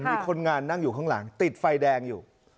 มีคนงานนั่งอยู่ข้างหลังติดไฟแดงอยู่